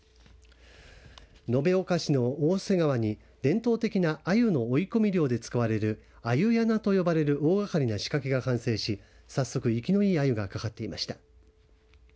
延岡市の四日市の大瀬川に伝統的なアユの追い込み漁で使われる鮎やなと呼ばれる大がかりな仕掛けを組む早速、生きのいいアユが掛かっていました。